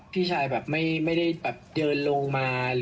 พี่ชายแบบไม่ได้แบบเดินลงมา